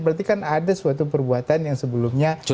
berarti kan ada suatu perbuatan yang sebelumnya